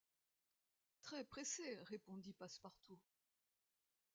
Très-pressé! répondit Passepartout.